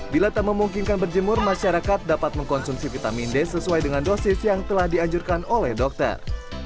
bila tak memungkinkan berjemur masyarakat dapat mengkonsumsi vitamin d sesuai dengan dosis yang telah dianjurkan oleh dokter